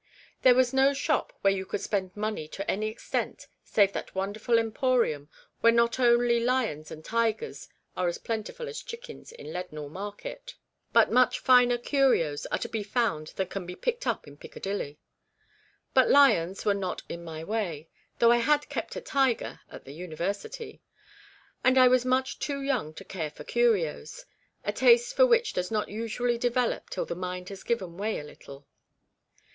There was 196 REBECCAS REMORSE. no shop where you could spend money to any extent save that wonderful emporium where not only lions and tigers are as plentiful as chickens in Leadenhall Market, but much finer " curios" are to be found than can be picked up in Piccadilly. But lions were not in my way (though I had kept a " tiger " at the University), and I was much too young to care for curios, a taste for which does not usually develop till the mind has given way a little.